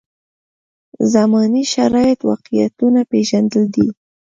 زمانې شرایط واقعیتونه پېژندل دي.